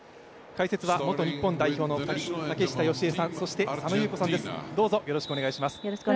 解説は元日本代表の２人竹下佳江さん佐野優子さんです。